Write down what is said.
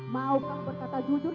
mau kamu berkata jujur